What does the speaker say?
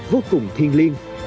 vô cùng thiên liên